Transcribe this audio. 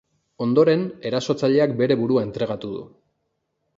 Ondoren, erasotzaileak bere burua entregatu du.